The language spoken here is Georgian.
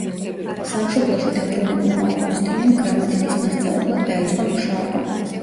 სამშობლოში დაბრუნებულმა ავგუსტინემ გრამატიკის მასწავლებლად დაიწყო მუშაობა.